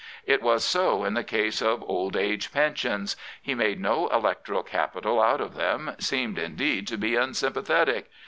It was so in the case of Old Age Pensions. He made no electoral capital out of them, seemed indeed to be unsympathetic.